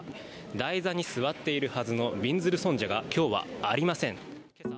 台座に座っているはずのびんずる尊者が今日はありません。